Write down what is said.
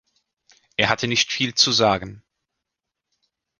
Er hatte nicht viel zu sagen.